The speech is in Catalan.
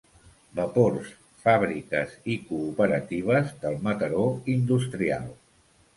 Vapors, fàbriques i cooperatives del Mataró industrial.